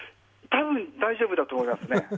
多分大丈夫だと思いますね。